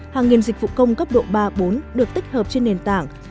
hàng nghìn dịch vụ công cấp độ ba bốn được tích hợp trên nền tảng